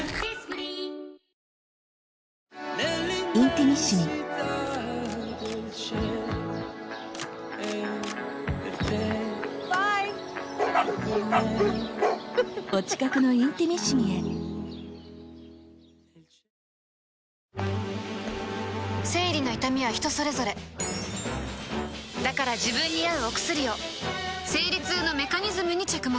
キッコーマン豆乳キッコーマン生理の痛みは人それぞれだから自分に合うお薬を生理痛のメカニズムに着目